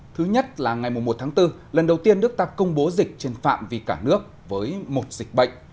thứ nhất là ngày một tháng bốn lần đầu tiên nước ta công bố dịch trên phạm vi cả nước với một dịch bệnh